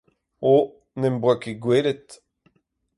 Oh, n'em boa ket gwelet